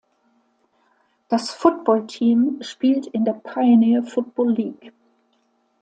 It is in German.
Das Footballteam spielt in der "Pioneer Football League".